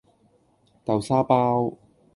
豆沙包